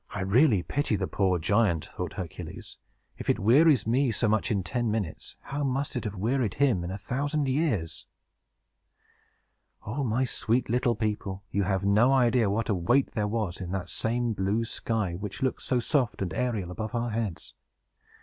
"I really pity the poor giant," thought Hercules. "If it wearies me so much in ten minutes, how must it have wearied him in a thousand years!" O my sweet little people, you have no idea what a weight there was in that same blue sky, which looks so soft and aerial above our heads!